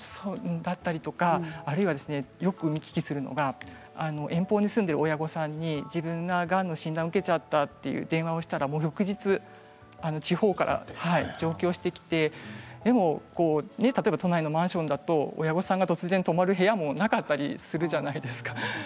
あるいは、よく見聞きするのが遠方に住んでいる親御さんに自分が、がんの診断を受けたと電話をしたら翌日、地方から上京してきて例えば都内のマンションだと親御さんが突然泊まる部屋がなかったりするじゃないですか。